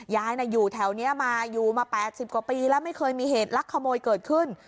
ยายอยู่แถวนี้มา๘๐กว่าปีแล้วไม่เคยมีเหตุลักษณ์ขโมยเกิดขึ้น